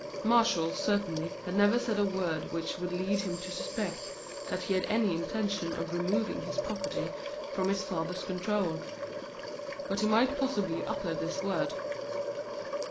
Martial, certainly, had never said a word which would lead him to suspect that he had any intention of removing his property from his father's control; but he might possibly utter this word.